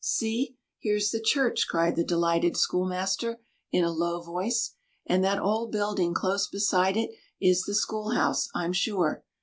"See—here's the church!" cried the delighted schoolmaster in a low voice; "and that old building close beside it is the school house, I'm sure.